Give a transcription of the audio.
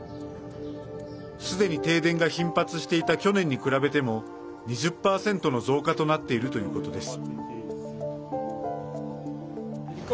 すでに停電が頻発していた去年に比べても２０％の増加となっているということです。